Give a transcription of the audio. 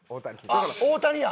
大谷や！